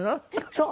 そう。